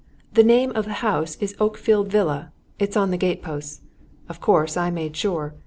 The name of the house is Oakfield Villa it's on the gateposts. Of course, I made sure.